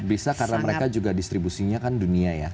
bisa karena mereka juga distribusinya kan dunia ya